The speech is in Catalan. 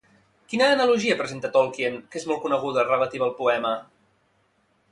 Quina analogia presenta Tolkien que és molt coneguda relativa al poema?